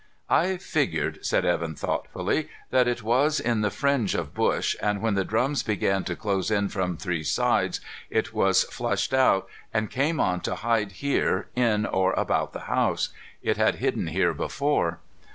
"I've figured," said Evan thoughtfully, "that it was in the fringe of bush, and when the drums began to close in from three sides, it was flushed out and came on to hide here in or about the house. It had hidden here before."